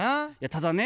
ただね